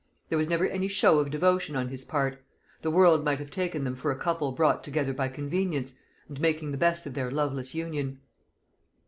There was never any show of devotion on his part. The world might have taken them for a couple brought together by convenience, and making the best of their loveless union.